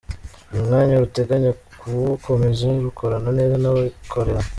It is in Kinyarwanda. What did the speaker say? Uyu mwanya ruteganya kuwukomeza rukorana neza n’abikorera.